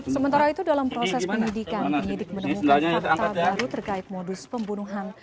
sementara itu dalam proses penyidikan penyidik menemukan fakta baru terkait modus pembunuhan